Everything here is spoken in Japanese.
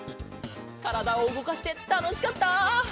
からだをうごかしてたのしかった！